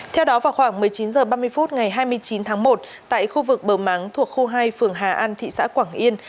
theo đó vào khoảng một mươi chín h ba mươi phút ngày hai mươi chín tháng một tại khu vực bờ máng thuộc khu hai phường hà an thị xã quảng yên